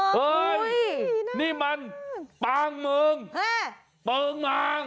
เฮ้ยนี่มันปางเมืองเปิงมาง